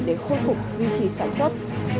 để khôi phục duy trì sản xuất